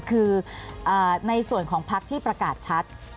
คือในส่วนของพักที่ประกาศชัด